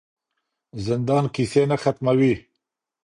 زندان کیسې نه ختموي.